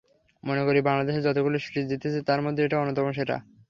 মনে করি, বাংলাদেশ যতগুলো সিরিজ জিতেছে তার মধ্য এটা অন্যতম সেরা।